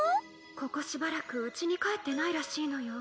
ここしばらくうちに帰ってないらしいのよ。